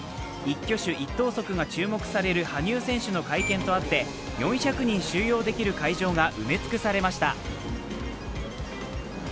一挙手一投足が注目される羽生選手の会見とあって４００人収容できる会場が埋め尽くされました。